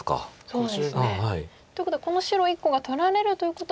そうですね。ということはこの白１個が取られるということは。